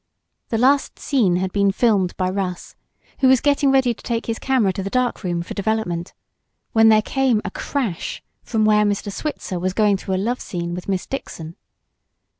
The last scene had been "filmed" by Russ, who was getting ready to take his camera to the dark room for development, when there came a crash from where Mr. Switzer was going through a love scene with Miss Dixon.